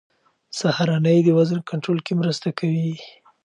سهارنۍ د وزن کنټرول کې مرسته کوي.